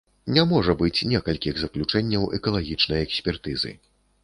Не можа быць некалькіх заключэнняў экалагічнай экспертызы.